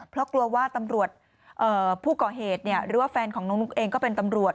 เพราะกลัวว่าตำรวจผู้ก่อเหตุหรือว่าแฟนของน้องนุ๊กเองก็เป็นตำรวจ